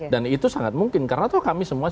dan itu sangat mungkin karena kami semua